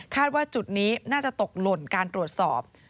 ว่าจุดนี้น่าจะตกหล่นการตรวจสอบ